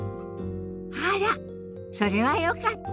あらそれはよかった。